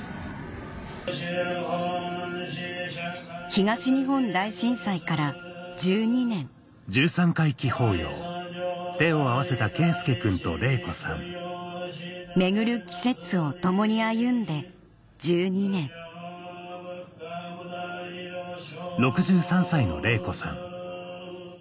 東日本大震災から１２年巡る季節を共に歩んで１２年やっぱり。